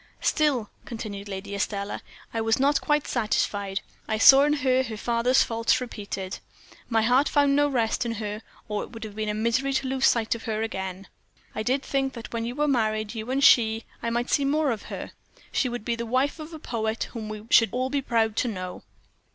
"Still," continued Lady Estelle, "I was not quite satisfied: I saw in her her father's faults repeated. My heart found no rest in her, or it would have been misery to lose sight of her again. I did think that when you were married you and she I might see more of her. She would be the wife of a poet whom we should all be proud to know.